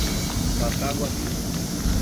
Bataguaçu